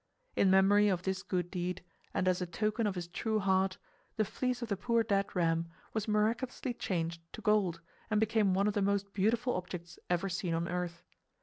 In memory of this good deed, and as a token of his true heart, the fleece of the poor dead ram was miraculously changed to gold and became one of the most beautiful objects ever seen on earth.